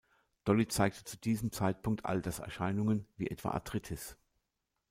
Dolly zeigte zu diesem Zeitpunkt Alterserscheinungen wie etwa Arthritis.